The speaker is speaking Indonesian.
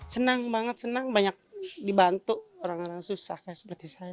senang banget senang banyak dibantu orang orang susah seperti saya